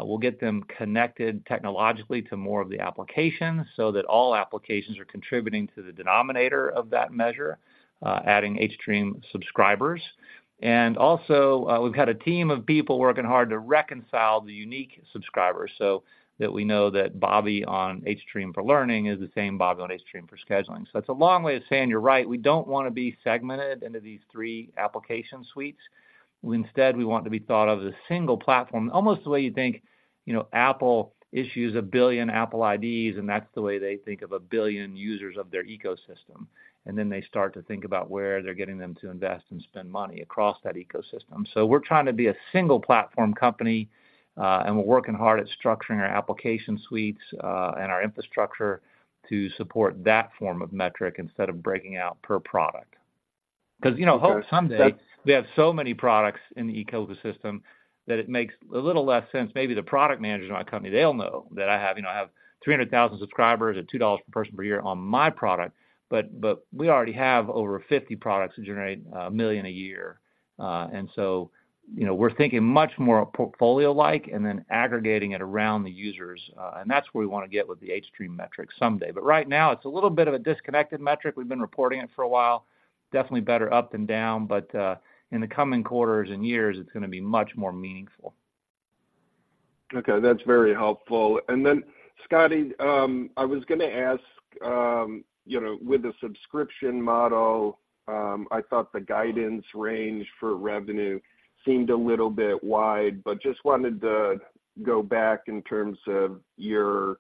We'll get them connected technologically to more of the applications, so that all applications are contributing to the denominator of that measure, adding hStream subscribers. And also, we've had a team of people working hard to reconcile the unique subscribers, so that we know that Bobby on hStream for Learning is the same Bobby on hStream for Scheduling. So that's a long way of saying, you're right, we don't want to be segmented into these three application suites. Instead, we want to be thought of as a single platform, almost the way you think, you know, Apple issues 1 billion Apple IDs, and that's the way they think of 1 billion users of their ecosystem. Then they start to think about where they're getting them to invest and spend money across that ecosystem. So we're trying to be a single platform company, and we're working hard at structuring our application suites, and our infrastructure to support that form of metric instead of breaking out per product. 'Cause, you know, hope someday we have so many products in the ecosystem that it makes a little less sense. Maybe the product managers in our company, they'll know that I have, you know, I have 300,000 subscribers at $2 per person per year on my product, but, but we already have over 50 products that generate $1 million a year. And so, you know, we're thinking much more portfolio-like and then aggregating it around the users, and that's where we wanna get with the hStream metric someday. But right now, it's a little bit of a disconnected metric. We've been reporting it for a while, definitely better up than down, but in the coming quarters and years, it's gonna be much more meaningful. Okay, that's very helpful. And then, Scotty, I was gonna ask, you know, with the subscription model, I thought the guidance range for revenue seemed a little bit wide, but just wanted to go back in terms of your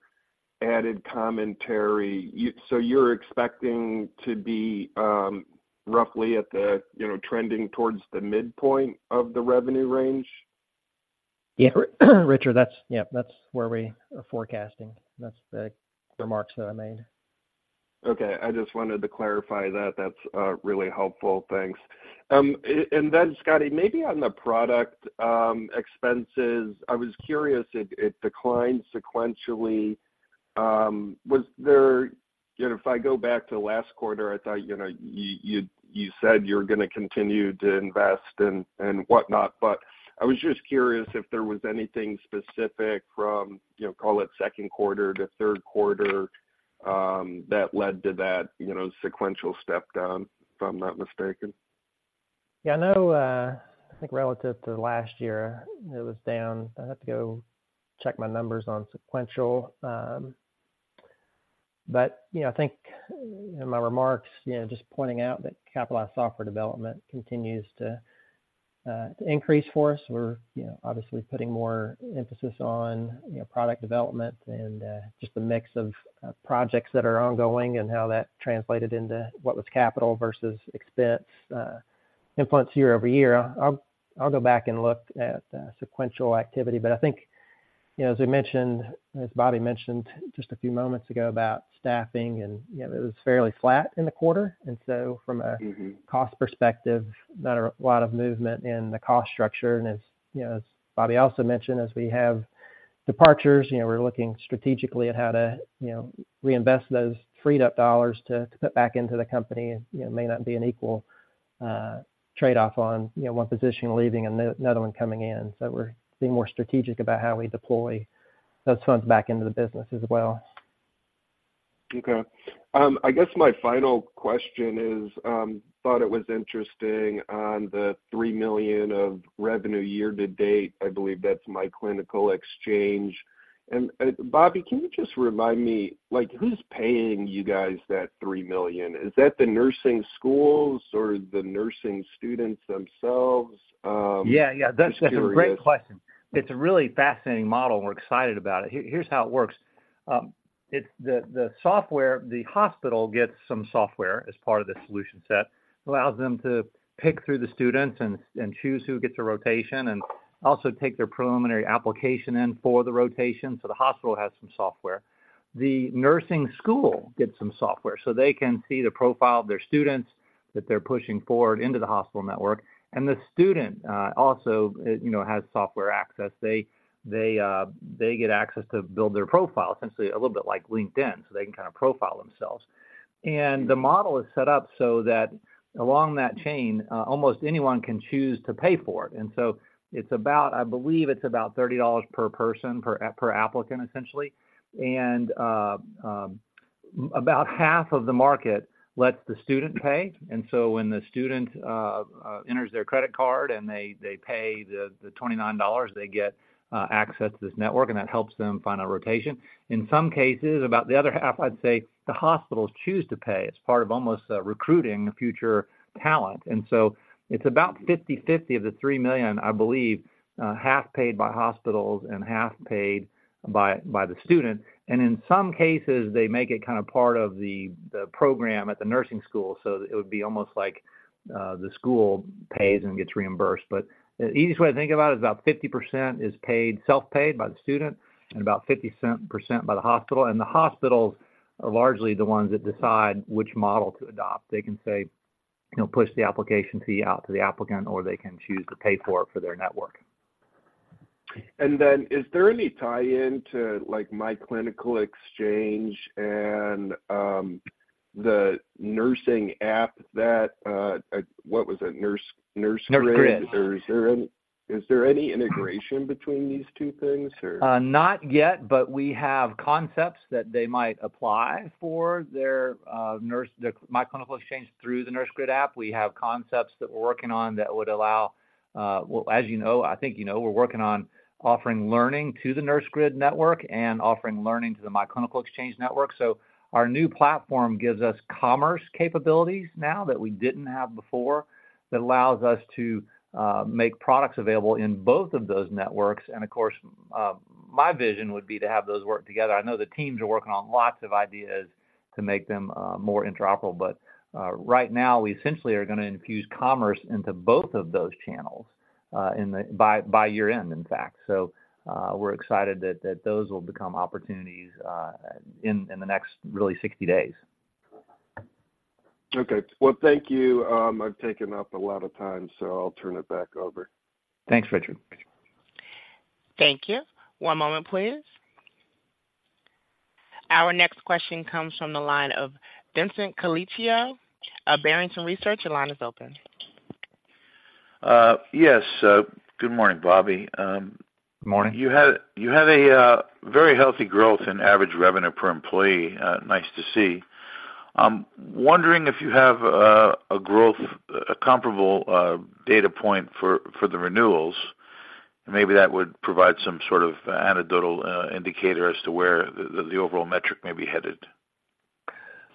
added commentary. You-- So you're expecting to be, roughly at the, you know, trending towards the midpoint of the revenue range? Yeah, Richard, that's... Yep, that's where we are forecasting. That's the remarks that I made. Okay. I just wanted to clarify that. That's really helpful. Thanks. And then, Scotty, maybe on the product expenses, I was curious, it declined sequentially. Was there... You know, if I go back to last quarter, I thought, you know, you said you're gonna continue to invest and whatnot, but I was just curious if there was anything specific from, you know, call it second quarter to third quarter, that led to that, you know, sequential step down, if I'm not mistaken? Yeah, I know, I think relative to last year, it was down. I'd have to go check my numbers on sequential. But, you know, I think in my remarks, you know, just pointing out that capitalized software development continues to increase for us. We're, you know, obviously putting more emphasis on, you know, product development and just the mix of projects that are ongoing and how that translated into what was capital versus expense influence year over year. I'll go back and look at sequential activity, but I think, you know, as we mentioned, as Bobby mentioned just a few moments ago about staffing and, you know, it was fairly flat in the quarter. And so from a- Mm-hmm... cost perspective, not a lot of movement in the cost structure. And as, you know, as Bobby also mentioned, as we have departures, you know, we're looking strategically at how to, you know, reinvest those freed up dollars to, to put back into the company. It, you know, may not be an equal trade-off on, you know, one position leaving and the another one coming in. So we're being more strategic about how we deploy those funds back into the business as well. Okay. I guess my final question is, thought it was interesting on the $3 million of revenue year-to-date. I believe that's myClinicalExchange. And, Bobby, can you just remind me, like, who's paying you guys that $3 million? Is that the nursing schools or the nursing students themselves? Yeah, yeah. Just curious. That's a great question... It's a really fascinating model, and we're excited about it. Here, here's how it works. It's the software. The hospital gets some software as part of the solution set, allows them to pick through the students and choose who gets a rotation, and also take their preliminary application in for the rotation, so the hospital has some software. The nursing school gets some software, so they can see the profile of their students that they're pushing forward into the hospital network. And the student also, you know, has software access. They get access to build their profile, essentially, a little bit like LinkedIn, so they can kind of profile themselves. And the model is set up so that along that chain, almost anyone can choose to pay for it. And so it's about, I believe, it's about $30 per person, per applicant, essentially. And about half of the market lets the student pay, and so when the student enters their credit card and they pay the $29, they get access to this network, and that helps them find a rotation. In some cases, about the other half, I'd say, the hospitals choose to pay as part of almost recruiting the future talent. And so it's about 50/50 of the 3 million, I believe, half paid by hospitals and half paid by the student. And in some cases, they make it kind of part of the program at the nursing school, so it would be almost like the school pays and gets reimbursed. But the easiest way to think about it is about 50% is paid, self-paid by the student and about 50% by the hospital. And the hospitals are largely the ones that decide which model to adopt. They can say, you know, push the application fee out to the applicant, or they can choose to pay for it for their network. And then is there any tie-in to, like, myClinicalExchange and the nursing app that what was it? Nurse, NurseGrid- NurseGrid. Or is there any integration between these two things, or? Not yet, but we have concepts that they might apply for their nurse, the myClinicalExchange through the NurseGrid app. We have concepts that we're working on that would allow... Well, as you know, I think you know, we're working on offering Learning to the NurseGrid network and offering Learning to the myClinicalExchange network. So our new platform gives us commerce capabilities now that we didn't have before. That allows us to make products available in both of those networks. And of course, my vision would be to have those work together. I know the teams are working on lots of ideas to make them more interoperable, but right now, we essentially are gonna infuse commerce into both of those channels by year-end, in fact. So, we're excited that those will become opportunities in the next, really, 60 days. Okay. Well, thank you. I've taken up a lot of time, so I'll turn it back over. Thanks, Richard. Thank you. One moment, please. Our next question comes from the line of Vincent Colicchio of Barrington Research. Your line is open. Yes, good morning, Bobby. Good morning. You had a very healthy growth in average revenue per employee. Nice to see. I'm wondering if you have a growth, a comparable data point for the renewals. Maybe that would provide some sort of anecdotal indicator as to where the overall metric may be headed.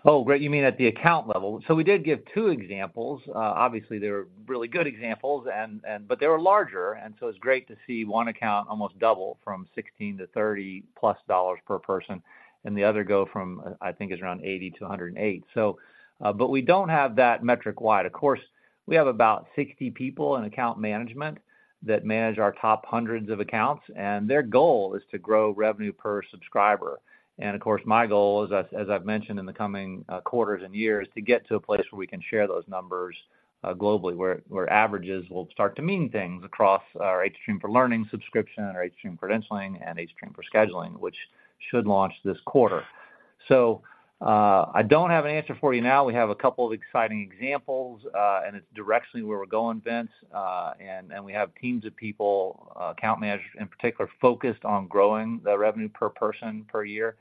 Oh, great. You mean at the account level? So we did give two examples. Obviously, they were really good examples, and, and, but they were larger, and so it's great to see one account almost double from $16 to $30+ per person, and the other go from, I think, it was around $80 to $108. So, but we don't have that metric wide. Of course, we have about 60 people in account management that manage our top hundreds of accounts, and their goal is to grow revenue per subscriber. And of course, my goal, as I've mentioned in the coming quarters and years, is to get to a place where we can share those numbers globally, where averages will start to mean things across our hStream for Learning subscription, our hStream for Credentialing, and hStream for Scheduling, which should launch this quarter. So, I don't have an answer for you now. We have a couple of exciting examples, and it's directionally where we're going, Vince. And we have teams of people, account managers in particular, focused on growing the revenue per person per year.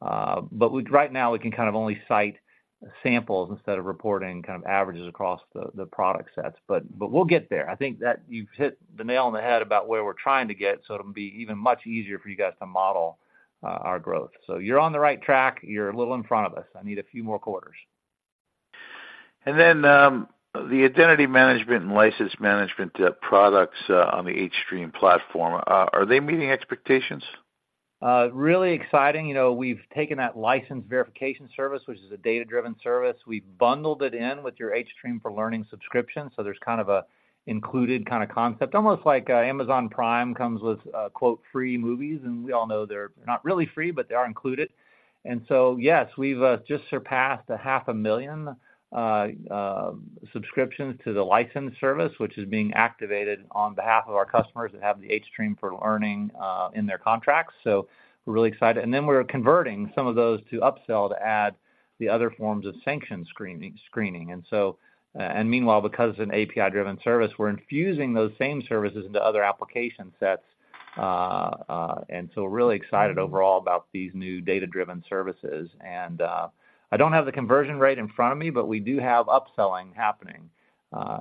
But right now, we can kind of only cite samples instead of reporting kind of averages across the product sets, but we'll get there. I think that you've hit the nail on the head about where we're trying to get, so it'll be even much easier for you guys to model our growth. So you're on the right track. You're a little in front of us. I need a few more quarters. The identity management and license management products on the hStream platform, are they meeting expectations? Really exciting. You know, we've taken that license verification service, which is a data-driven service. We've bundled it in with your hStream for Learning subscription, so there's kind of an included kind of concept. Almost like, Amazon Prime comes with, quote, "Free movies," and we all know they're not really free, but they are included. And so, yes, we've just surpassed 500,000 subscriptions to the license service, which is being activated on behalf of our customers that have the hStream for Learning in their contracts. So we're really excited. And then we're converting some of those to upsell to add the other forms of sanction screening. And so, meanwhile, because of an API-driven service, we're infusing those same services into other application sets. And so we're really excited overall about these new data-driven services. I don't have the conversion rate in front of me, but we do have upselling happening.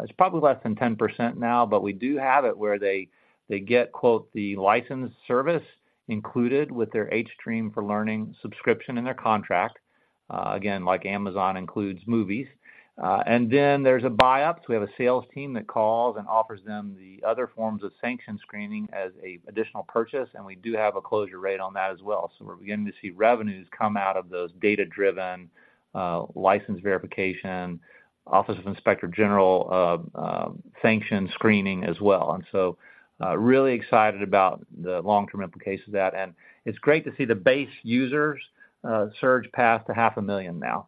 It's probably less than 10% now, but we do have it where they, they get, quote, "the license service" included with their hStream for Learning subscription in their contract. Again, like Amazon includes movies. And then there's a buy-up, so we have a sales team that calls and offers them the other forms of sanction screening as an additional purchase, and we do have a closure rate on that as well. So we're beginning to see revenues come out of those data-driven, license verification, Office of Inspector General, sanction screening as well. And so, really excited about the long-term implications of that, and it's great to see the base users, surge past 500,000 now.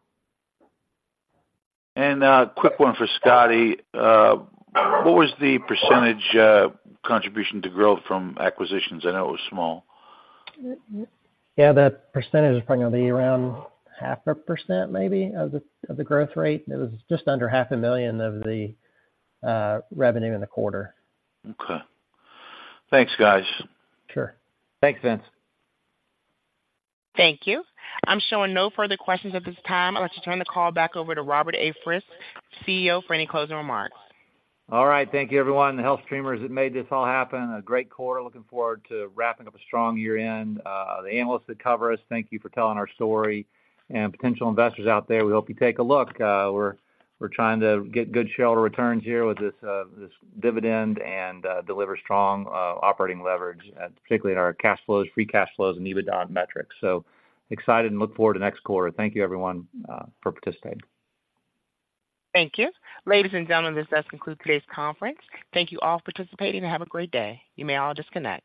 A quick one for Scotty. What was the percentage contribution to growth from acquisitions? I know it was small. Yeah, that percentage is probably gonna be around 0.5%, maybe, of the, of the growth rate. It was just under $500,000 of the revenue in the quarter. Okay. Thanks, guys. Sure. Thanks, Vince. Thank you. I'm showing no further questions at this time. I'd like to turn the call back over to Robert Frist, CEO, for any closing remarks. All right. Thank you, everyone. The HealthStreamers that made this all happen, a great quarter. Looking forward to wrapping up a strong year-end. The analysts that cover us, thank you for telling our story. And potential investors out there, we hope you take a look. We're trying to get good shareholder returns here with this dividend and deliver strong operating leverage, particularly in our cash flows, free cash flows, and EBITDA metrics. So excited and look forward to next quarter. Thank you, everyone, for participating. Thank you. Ladies and gentlemen, this does conclude today's conference. Thank you all for participating, and have a great day. You may all disconnect.